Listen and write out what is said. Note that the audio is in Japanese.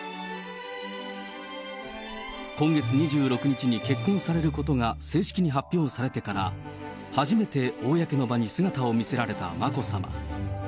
今月２６日に結婚されることが正式に発表されてから、初めて公の場に姿を見せられた眞子さま。